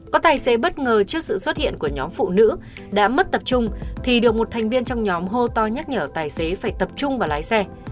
có tài xế bất ngờ trước sự xuất hiện của nhóm phụ nữ đã mất tập trung thì được một thành viên trong nhóm hô to nhắc nhở tài xế phải tập trung vào lái xe